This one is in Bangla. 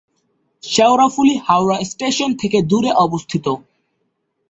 শেওড়াফুলি হাওড়া স্টেশন থেকে দূরে অবস্থিত।